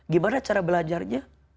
gimana cara belajarnya